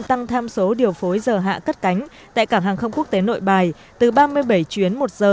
tăng tham số điều phối giờ hạ cất cánh tại cảng hàng không quốc tế nội bài từ ba mươi bảy chuyến một giờ